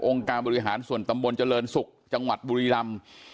การบริหารส่วนตำบลเจริญศุกร์จังหวัดบุรีรำ